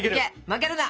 負けるな！